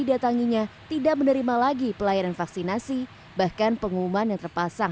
didatanginya tidak menerima lagi pelayanan vaksinasi bahkan pengumuman yang terpasang